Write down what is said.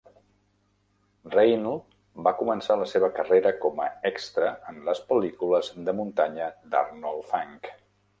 Reinl va començar la seva carrera com a extra en les pel·lícules de muntanya d'Arnold Fanck.